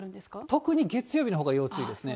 特に月曜日のほうが要注意ですね。